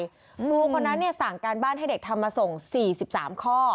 ครูคนนั้นสั่งการบ้านให้เด็กทำมาส่ง๔๓ข้อ